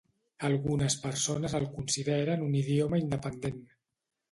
Algunes persones el consideren un idioma independent.